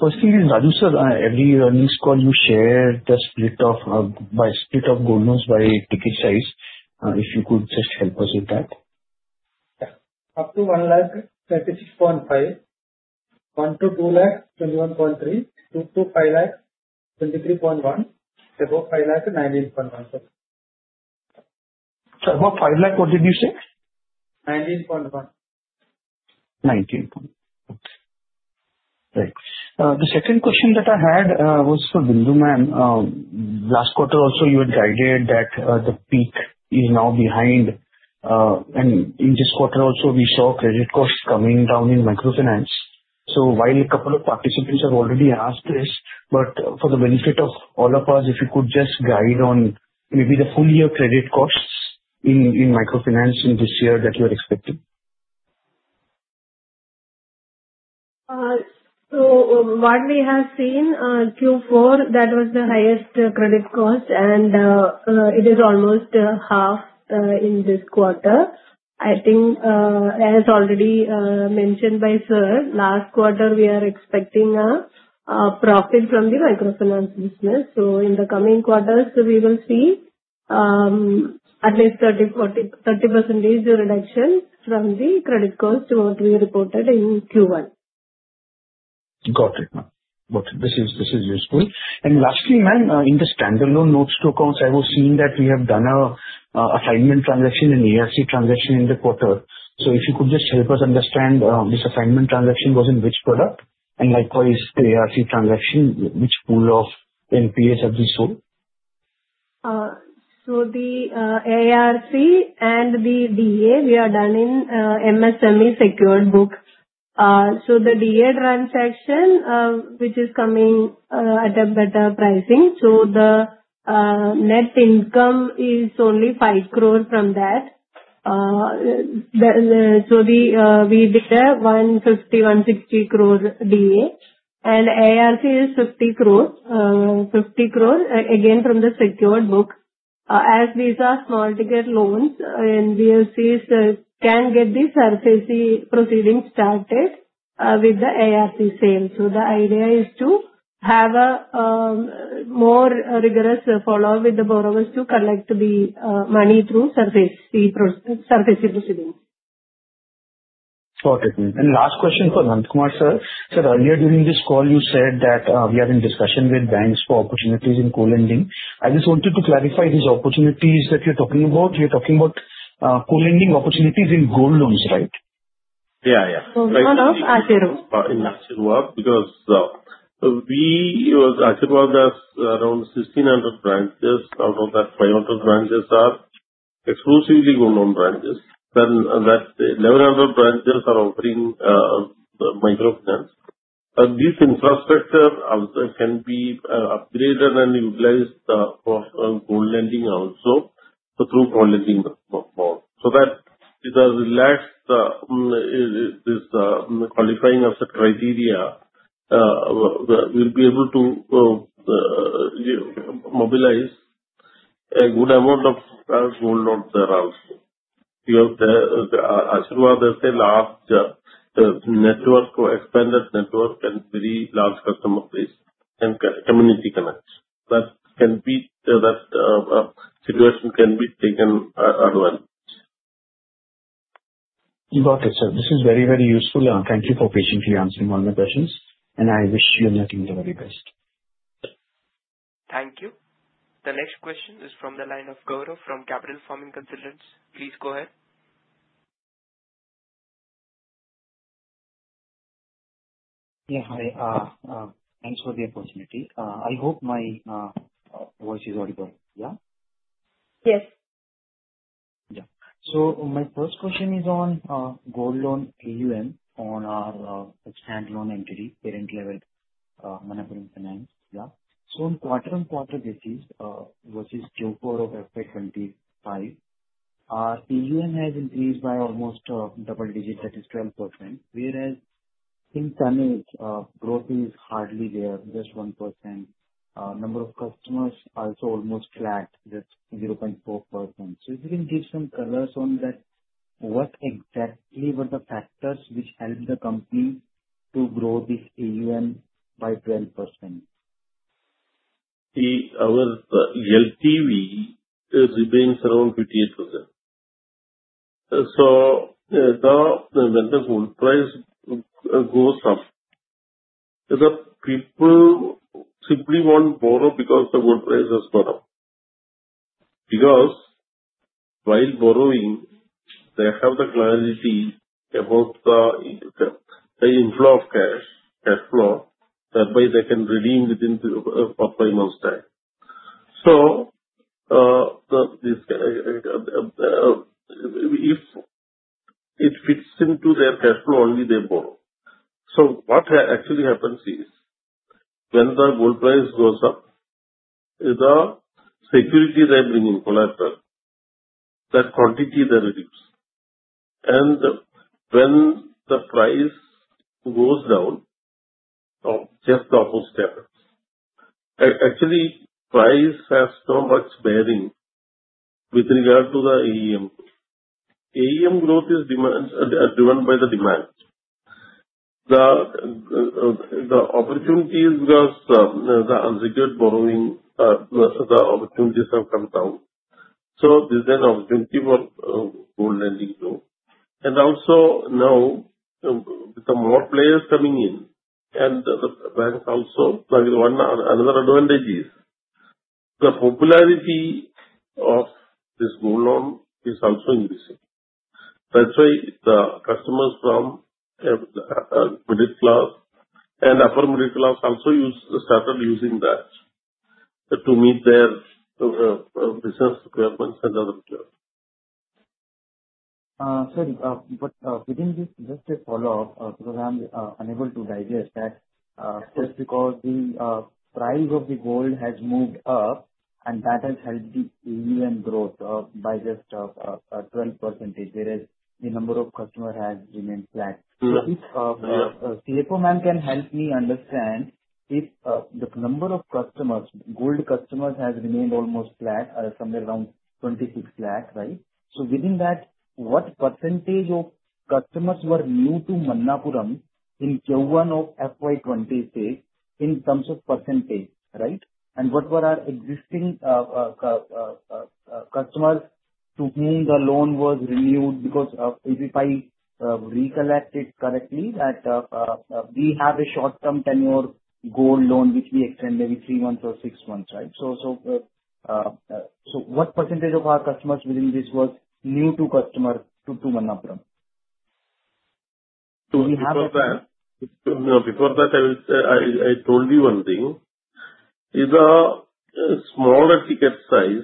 First thing is, Rajiv sir, every earnings call you share the split of gold loans by ticket size. If you could just help us with that. Yeah. Up to 1 lakh, 36.5%; 1-2 lakh, 21.3%; 2-5 lakh, 23.1%; above 5 lakh, 19.1%. Sir, above 5 lakh, what did you say? 19.1%. Okay. Great. The second question that I had was for Bindu ma'am. Last quarter also, you had guided that the peak is now behind. And in this quarter also, we saw credit costs coming down in microfinance. So while a couple of participants have already asked this, but for the benefit of all of us, if you could just guide on maybe the full year credit costs in microfinance in this year that you are expecting? So what we have seen, Q4, that was the highest credit cost, and it is almost half in this quarter. I think, as already mentioned by sir, last quarter, we are expecting a profit from the microfinance business. So in the coming quarters, we will see at least 30% reduction from the credit cost to what we reported in Q1. Got it. Got it. This is useful. And lastly, ma'am, in the standalone notes to accounts, I was seeing that we have done an assignment transaction and ARC transaction in the quarter. So if you could just help us understand this assignment transaction was in which product? And likewise, the ARC transaction, which pool of NPAs have we sold? The ARC and the DA, we are done in MSME secured book. The DA transaction, which is coming at a better pricing. The net income is only 5 crore from that. We did a 150-160 crore DA. ARC is 50 crore, 50 crore, again, from the secured book. As these are small ticket loans, NBFCs can get the RCC proceeding started with the ARC sale. The idea is to have a more rigorous follow-up with the borrowers to collect the money through SARFAESI proceedings. Got it. And last question for Nandakumar sir. Sir, earlier during this call, you said that we are in discussion with banks for opportunities in co-lending. I just wanted to clarify these opportunities that you're talking about. You're talking about co-lending opportunities in gold loans, right? Yeah, yeah. So one of Asirvad. In Asirvad because Asirvad has around 1,600 branches. Out of that, 500 branches are exclusively gold loan branches. Then that 1,100 branches are offering microfinance. This infrastructure can be upgraded and utilized for gold lending also through co-lending mode. So that is a relaxed qualifying asset criteria. We'll be able to mobilize a good amount of gold loans there also. Asirvad has a large network or expanded network and very large customer base and community connection. That situation can be taken advantage. Got it, sir. This is very, very useful. Thank you for patiently answering all my questions. I wish you and your team the very best. Thank you. The next question is from the line of Gaurav from Capital Farming Consultants. Please go ahead. Yeah. Hi. Thanks for the opportunity. I hope my voice is audible. Yeah? Yes. Yeah. So my first question is on gold loan AUM on our standalone entity, parent level Manappuram Finance. Yeah. So on quarter-on-quarter basis versus Q4 of FY 2025, AUM has increased by almost double digit, that is 12%. Whereas in tonnage, growth is hardly there, just 1%. Number of customers also almost flat, just 0.4%. So if you can give some colors on that, what exactly were the factors which helped the company to grow this AUM by 12%? Our LTV remains around 58%. So when the gold price goes up, the people simply won't borrow because the gold price has gone up. Because while borrowing, they have the clarity about the inflow of cash, cash flow, that way they can redeem within four or five months' time. So if it fits into their cash flow, only they borrow. So what actually happens is when the gold price goes up, the security they're bringing collateral, that quantity they reduce. And when the price goes down, just the opposite happens. Actually, price has so much bearing with regard to the AUM. AUM growth is driven by the demand. The opportunities because the unsecured borrowing, the opportunities have come down. So there's an opportunity for gold lending too. Also now, with the more players coming in, and the banks also, another advantage is the popularity of this gold loan is also increasing. That's why the customers from the middle class and upper middle class also started using that to meet their business requirements and other requirements. Sir, but within this, just a follow-up, because I'm unable to digest that, just because the price of the gold has moved up, and that has helped the AUM growth by just 12%, whereas the number of customers has remained flat. If CFO ma'am can help me understand, if the number of customers, gold customers has remained almost flat, somewhere around 26 lakh, right? So within that, what percentage of customers were new to Manappuram in Q1 of FY 2026 in terms of percentage, right? And what were our existing customers to whom the loan was renewed? Because if I recollect it correctly, that we have a short-term tenure gold loan, which we extend every three months or six months, right? So what percentage of our customers within this was new to customer to Manappuram? So before that, I will say I told you one thing. The smaller ticket size,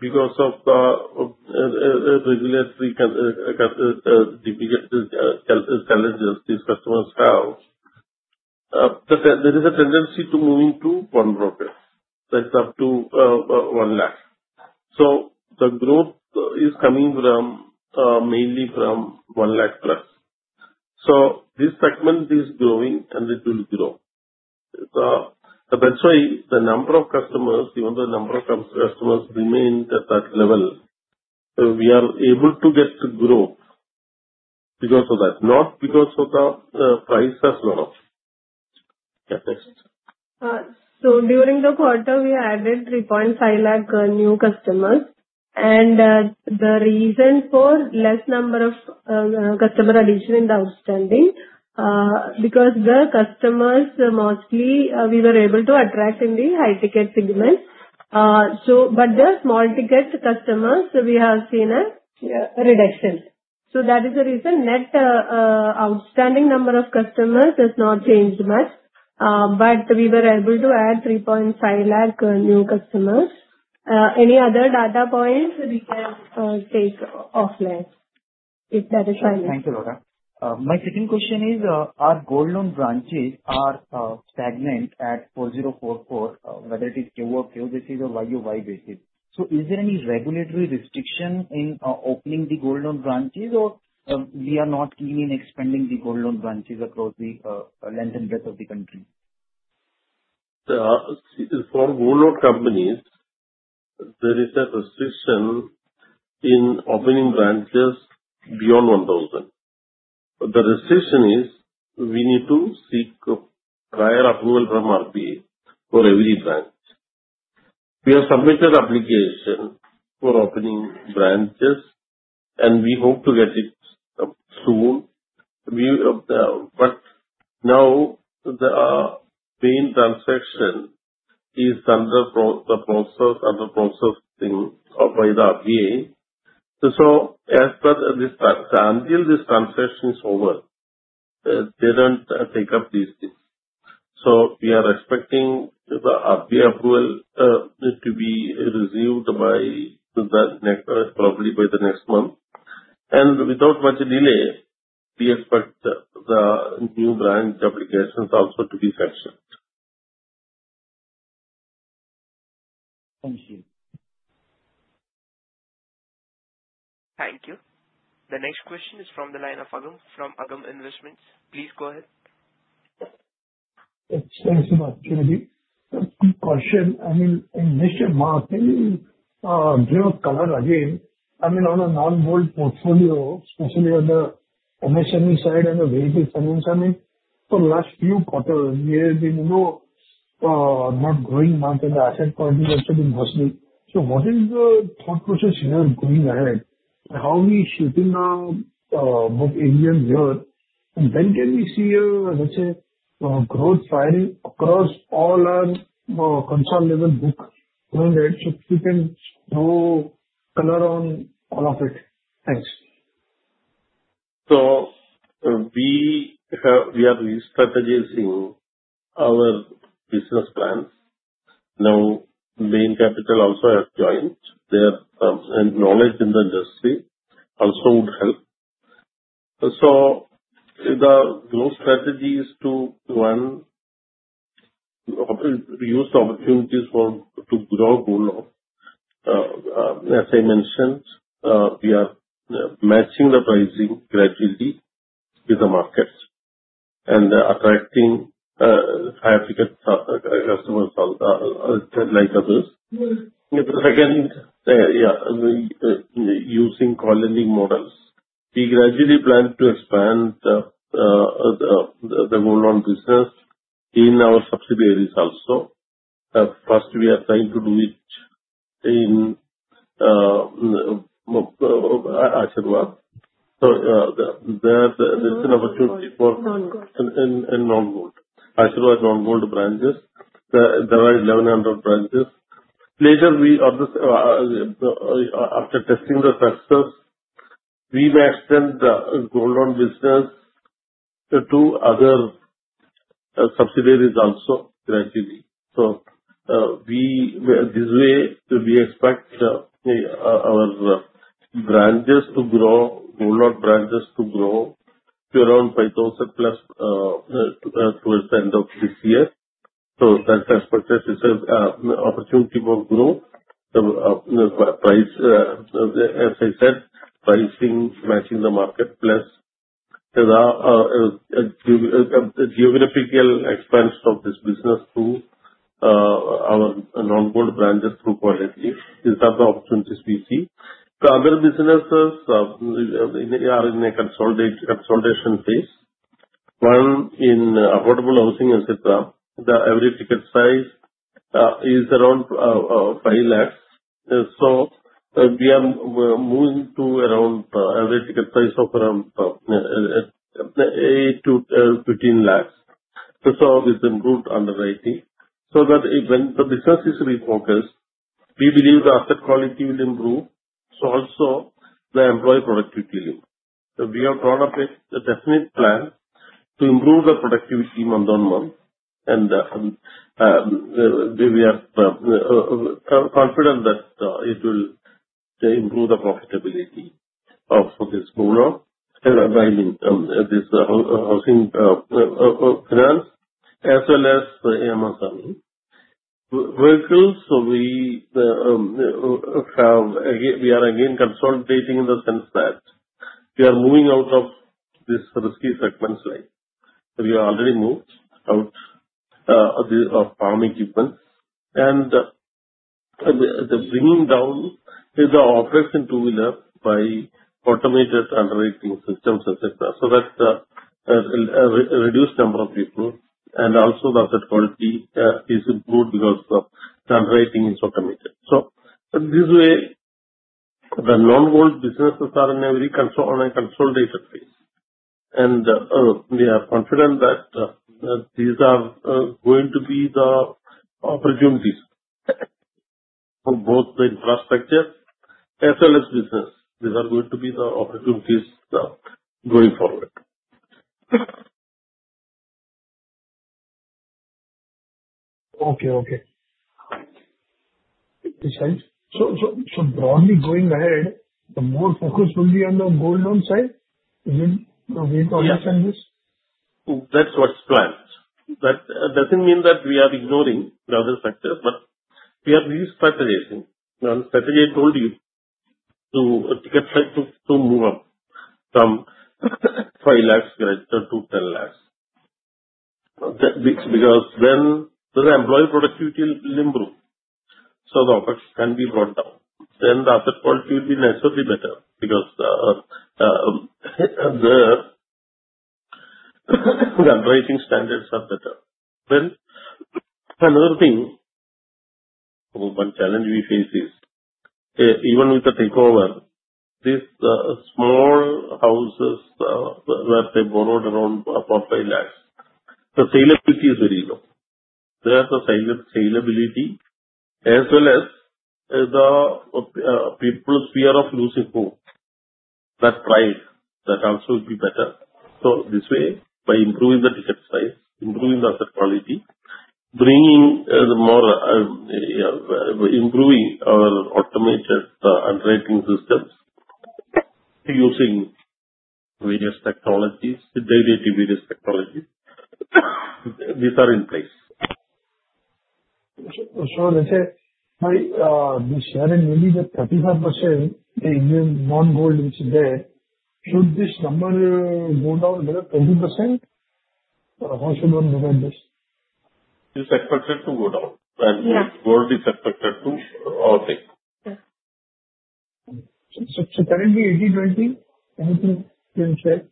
because of the regulatory challenges these customers have, there is a tendency to move into one bucket, that's up to one lakh. So the growth is coming mainly from one lakh plus. So this segment is growing, and it will grow. That's why the number of customers, even though the number of customers remained at that level, we are able to get to grow because of that, not because of the price has gone up. Yeah, next. So during the quarter, we added 3.5 lakh new customers. And the reason for less number of customer addition in the outstanding is because the customers mostly we were able to attract in the high-ticket segment. But the small-ticket customers, we have seen a reduction. So that is the reason. Net outstanding number of customers has not changed much. But we were able to add 3.5 lakh new customers. Any other data points we can take offline if that is fine. Thank you, Laura. My second question is, our gold loan branches are stagnant at 4044, whether it is QoQ basis or YoY basis. So is there any regulatory restriction in opening the gold loan branches, or we are not keen in expanding the gold loan branches across the length and breadth of the country? For gold loan companies, there is a restriction in opening branches beyond 1,000. The restriction is we need to seek prior approval from RBI for every branch. We have submitted application for opening branches, and we hope to get it soon. But now the main transaction is under processing by the RBI. So until this transaction is over, they don't take up these things. So we are expecting the RBI approval to be received by probably by the next month. And without much delay, we expect the new branch applications also to be sanctioned. Thank you. Thank you. The next question is from the line of Aagam from Aagam Investments. Please go ahead. Thanks for the opportunity. Question. I mean, in this market, give a color again. I mean, on a non-gold portfolio, especially on the MSME side and the vehicle finance, I mean, for the last few quarters, we have been not growing much in the asset quality, which has been worsening. So what is the thought process here going ahead? How are we shaping our book AUM here? And then can we see a, let's say, growth firing across all our constituent level book going ahead? So if you can throw color on all of it. Thanks. We are restrategizing our business plans. Now, Bain Capital also has joined. Their knowledge in the industry also would help. The growth strategy is to use the opportunities to grow gold loan. As I mentioned, we are matching the pricing gradually with the markets and attracting higher ticket customers like others. The second, yeah, using co-lending models. We gradually plan to expand the gold loan business in our subsidiaries also. First, we are trying to do it in Asirvad. There is an opportunity for. Non-gold. In non-gold. Asirvad is non-gold branches. There are 1,100 branches. Later, after testing the success, we may extend the gold loan business to other subsidiaries also gradually. So this way, we expect our branches to grow, gold loan branches to grow to around 5,000 plus towards the end of this year. So that's the expectation. It's an opportunity for growth. As I said, pricing, matching the market, plus the geographical expanse of this business to our non-gold branches through quality. These are the opportunities we see. The other businesses are in a consolidation phase. One in affordable housing, et cetera. The average ticket size is around 5 lakhs. So we are moving to around average ticket size of around 8 lakhs-15 lakhs. So with improved underwriting. So that when the business is refocused, we believe the asset quality will improve. So also, the employee productivity will improve. So we have brought up a definite plan to improve the productivity month on month. And we are confident that it will improve the profitability of this gold loan, I mean, this housing finance, as well as the MSME vehicles. So we are again consolidating in the sense that we are moving out of this risky segments line. We are already moved out of farm equipment. And the bringing down the OpEx by automated underwriting systems, et cetera. So that reduced number of people and also the asset quality is improved because the underwriting is automated. So this way, the non-gold businesses are in a very consolidated phase. And we are confident that these are going to be the opportunities for both the infrastructure as well as business. These are going to be the opportunities going forward. So broadly going ahead, the more focus will be on the gold loan side. We need to understand this. That's what's planned. That doesn't mean that we are ignoring the other factors, but we are restrategizing. The strategy I told you to move up from five lakhs to 10 lakhs. Because then the employee productivity will improve, so the operations can be brought down, then the asset quality will be naturally better because the underwriting standards are better, then another thing, one challenge we face is even with the takeover, these small houses that they borrowed around 4 lakhs-5 lakhs, the salability is very low. There is a salability as well as the people's fear of losing home. That pride, that also will be better, so this way, by improving the ticket size, improving the asset quality, improving our automated underwriting systems, using various technologies, derivative various technologies, these are in place. Let's say, by this year and maybe the 35% non-gold which is there, should this number go down below 20%? How should one look at this? It's expected to go down, and gold is expected to okay. So currently 80/20? Anything you can share?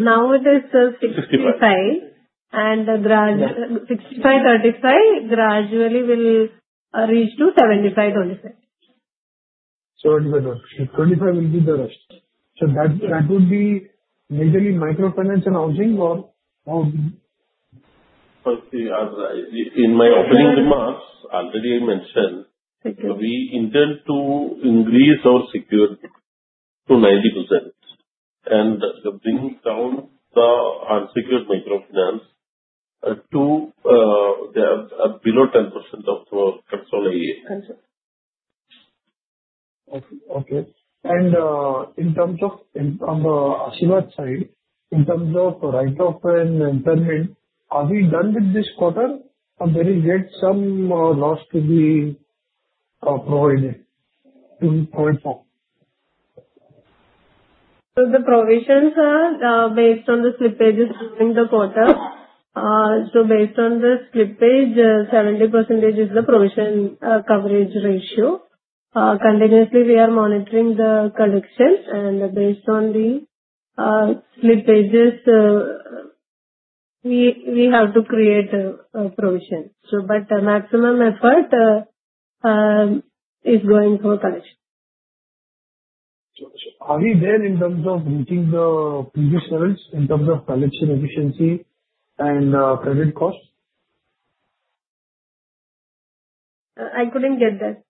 Now it is 65, and 65/35 gradually will reach to 75/25. So 25 will be the rest. So that would be majorly microfinance housing or? In my opening remarks, already I mentioned we intend to increase our secured to 90% and bring down the unsecured microfinance to below 10% of our consolidated. Okay. And in terms of on the Asirvad side, in terms of write-off and impairment, are we done with this quarter? Or there is yet some loss to be provided to hold for? So the provisions are based on the slippage during the quarter. So based on the slippage, 70% is the provision coverage ratio. Continuously, we are monitoring the collection. And based on the slippages, we have to create a provision. But maximum effort is going through collection. Are we there in terms of meeting the previous levels in terms of collection efficiency and credit cost? I couldn't get that.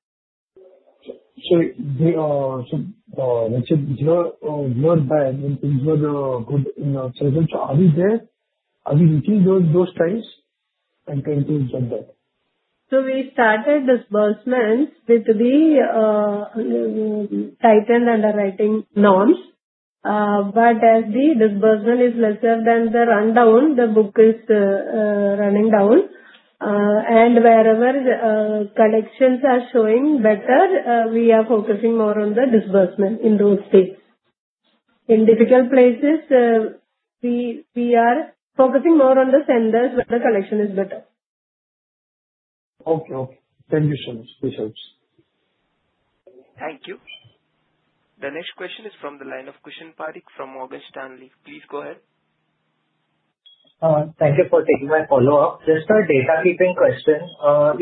So let's say year by year when things were good in our segment, are we there? Are we meeting those times? And can you get that? So we started this burst month with the tightened underwriting norms. But as the disbursement is lesser than the rundown, the book is running down. And wherever collections are showing better, we are focusing more on the disbursement in those states. In difficult places, we are focusing more on the centers where the collection is better. Okay. Okay. Thank you so much. This helps. Thank you. The next question is from the line of Kushan Parikh from Morgan Stanley. Please go ahead. Thank you for taking my follow-up. Just a data keeping question.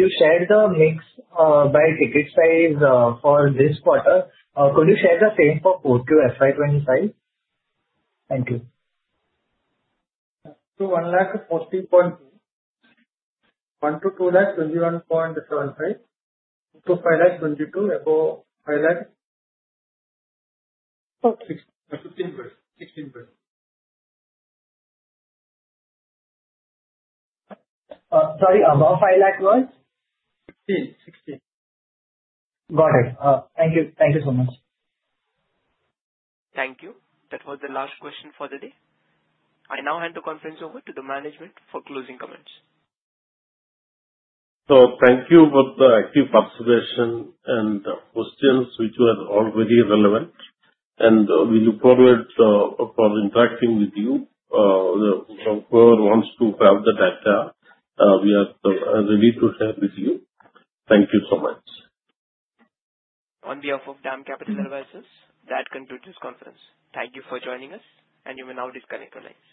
You shared the mix by ticket size for this quarter. Could you share the same for 4Q, FY25? Thank you. 140.2, 1 to 2, 21.75, 2 to 5, 22, above 5 lakh? Okay. 15%. 16%. Sorry, above 5 lakh was? 15. 16. Got it. Thank you. Thank you so much. Thank you. That was the last question for the day. I now hand the conference over to the management for closing comments. Thank you for the active participation and questions, which were all very relevant. We look forward to interacting with you. Whoever wants to have the data, we are ready to share with you. Thank you so much. On behalf of DAM Capital Advisors, that concludes this conference. Thank you for joining us, and you may now disconnect online.